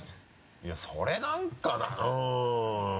いやそれなんかなうん。